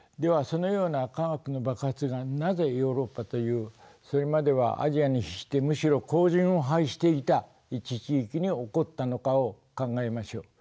そのような科学の爆発がなぜヨーロッパというそれまではアジアに比してむしろ後じんを拝していた一地域に起こったのかを考えましょう。